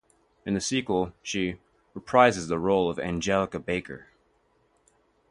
In the sequel, she reprises the role of Angela Baker.